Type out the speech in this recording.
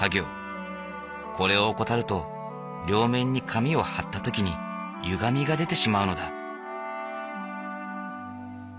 これを怠ると両面に紙をはった時にゆがみが出てしまうのだ。